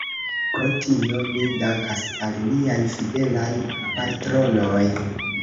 Pro tio ni dankas al niaj fidelaj patronoj.